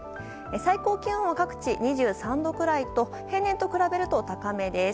最高気温は各地２３度くらいと平年と比べると高めです。